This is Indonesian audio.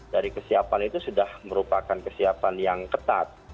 dari kesiapan itu sudah merupakan kesiapan yang ketat